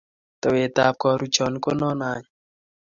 Towet ab karuchan ko nono any.